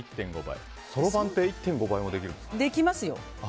そろばんって１．５倍もできるんですか。